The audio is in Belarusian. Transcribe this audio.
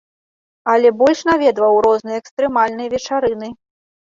Але больш наведваў розныя экстрэмальныя вечарыны.